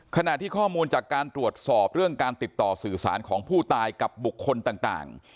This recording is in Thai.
ขณะที่ข้อมูลจากการตรวจสอบเรื่องการติดต่อสื่อสารของผู้ตายกับบุคคลต่าง